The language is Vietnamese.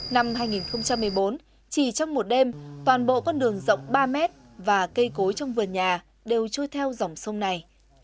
năm hai nghìn một mươi bốn chỉ trong một đêm toàn bộ con đường rộng ba mét và cây cối trong vườn nhà đều trôi theo dòng sông này